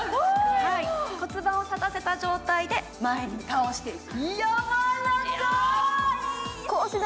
骨盤を立たせた状態で前に倒していく。